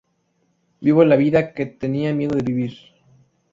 Vivo la vida que tenía miedo vivir.